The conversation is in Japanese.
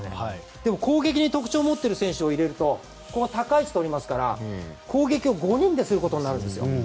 でも、攻撃に特徴を持っている選手を入れると高い位置をとりますから、攻撃を５人ですることになるんです。